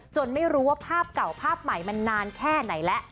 ไม่รู้ว่าภาพเก่าภาพใหม่มันนานแค่ไหนแล้ว